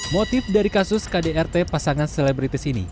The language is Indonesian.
motif dari kasus kdrt pasangan selebritis ini